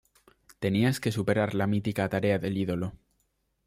Tenías que superar la mítica Tarea del Ídolo.